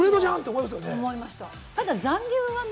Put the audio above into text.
思いました。